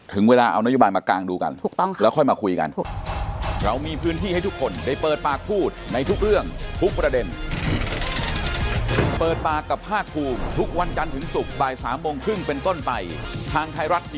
ถึงเวลาเอานโยบายมากลางดูกันแล้วค่อยมาคุยกัน